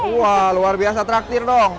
wah luar biasa traktir dong